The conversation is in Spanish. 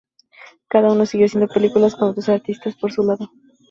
Cada uno siguió haciendo películas con otros artistas por su lado.